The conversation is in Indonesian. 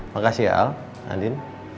makasih ya al adin